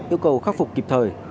yêu cầu khắc phục kịp thời